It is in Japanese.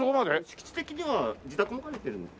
敷地的には自宅も兼ねてるので。